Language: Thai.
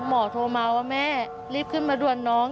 หมอโทรมาว่าแม่รีบขึ้นมาด่วนน้อง